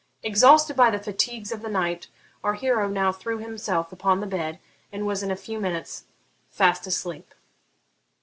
Exhausted by the fatigues of the night, our hero now threw himself upon the bed, and was in a few minutes fast asleep.